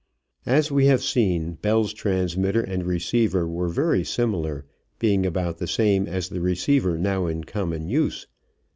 As we have seen, Bell's transmitter and receiver were very similar, being about the same as the receiver now in common use.